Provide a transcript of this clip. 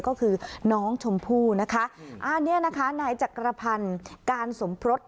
ก็คือน้องชมพู่นะคะอันนี้นะคะนายจักรพันธ์การสมพศ